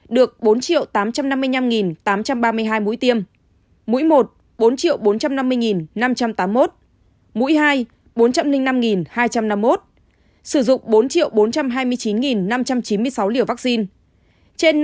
được bốn tám trăm năm mươi năm tám trăm ba mươi hai mũi tiêm mũi một bốn trăm năm mươi năm trăm tám mươi một mũi hai bốn trăm linh năm hai trăm năm mươi một sử dụng bốn bốn trăm hai mươi chín năm trăm chín mươi sáu liều vaccine